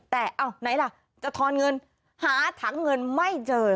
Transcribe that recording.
แต่เอาไหนล่ะจะทอนเงินหาถังเงินไม่เจอ